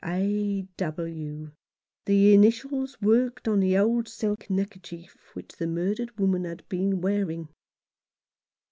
A. W. — the initials worked on the old silk neckerchief which the murdered woman had been wearing